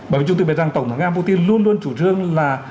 bởi vì chúng tôi biết rằng tổng thống nga putin luôn luôn chủ trương là